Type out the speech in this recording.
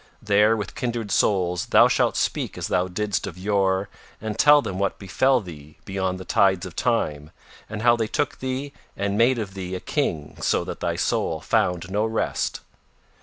There with kindred souls thou shalt speak as thou didst of yore and tell them what befell thee beyond the tides of time and how they took thee and made of thee a King so that thy soul found no rest.